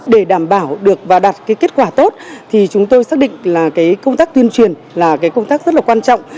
để đảm bảo được và đặt cái kết quả tốt thì chúng tôi xác định là cái công tác tuyên truyền là cái công tác rất là quan trọng